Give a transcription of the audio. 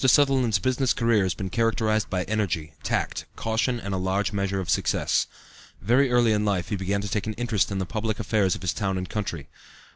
Sutherland's business career has been characterized by energy, tact, caution and a large measure of success. Very early in life he began to take an interest in the public affairs of his town and country.